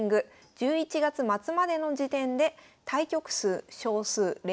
１１月末までの時点で対局数勝数連勝数